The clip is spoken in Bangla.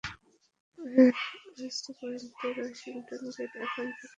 ওয়েস্ট পয়েন্টের ওয়াশিংটন গেট এখান থেকে কাছেই।